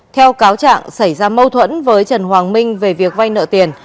theo cáo trạng xảy ra mâu thuẫn với trần hoàng minh về việc vay nợ tiền